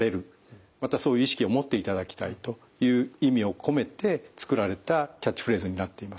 またそういう意識を持っていただきたいという意味を込めて作られたキャッチフレーズになっています。